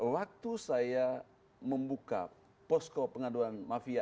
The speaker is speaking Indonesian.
waktu saya membuka posko pengaduan mafia